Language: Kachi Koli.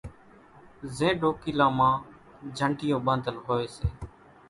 زين ڏوڪيلان مان جنڍيون ٻاندل ھوئي سي